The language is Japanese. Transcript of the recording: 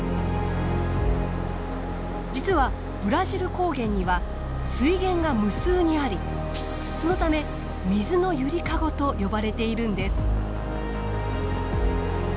実はブラジル高原には水源が無数にありそのため水のゆりかごと呼ばれているんです。